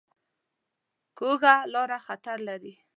کوږه لاره خطر لري